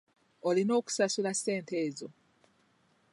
Olina okusasula ssente ezo.